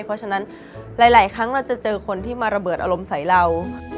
เพราะฉะนั้นหลายครั้งเราจะเจอคนที่มาระเบิดอารมณ์ใส่เรา